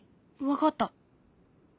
分かった。